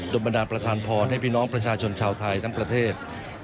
ดนตราประทานพลให้พี่หลองชนชาวไทยทั้งประเทศ